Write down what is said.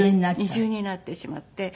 二重になってしまって。